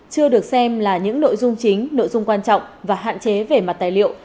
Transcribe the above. chưa được xem là những nội dung chính nội dung quan trọng và hạn chế về mặt tài liệu